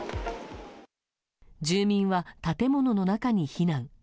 住民は建物の中に避難。